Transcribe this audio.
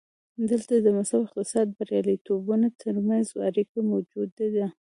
دلته د مذهب او اقتصادي بریالیتوبونو ترمنځ اړیکه موجوده ده.